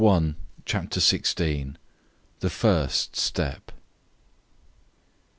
CHAPTER XVI. THE FIRST STEP.